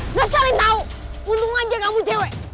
nggak saling tahu untung aja kamu cewek